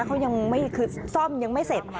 เขายังไม่คือซ่อมยังไม่เสร็จ